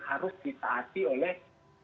harus ditahasi oleh